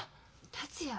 達也。